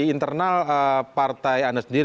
internal partai anda sendiri